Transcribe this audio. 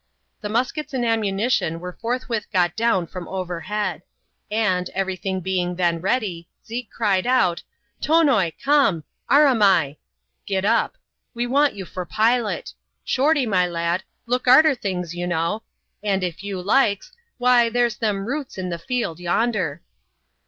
The muskets and ammunition were forthwith got down from overhead ; and, every thing being then ready, Zeke cried out, " Tonoi ! come; aramai ! (get up) we want you for pilot. Shorty, my lad, look arter things, you know ; and, if you likes, why, there's them roots in the field yonder."